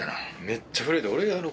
めっちゃ震えてる。